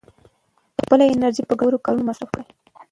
خپله انرژي په ګټورو کارونو مصرف کړئ.